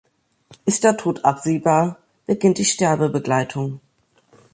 Ist der Tod absehbar, beginnt die Sterbebegleitung.